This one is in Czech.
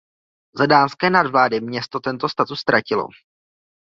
Za dánské nadvlády město tento status ztratilo.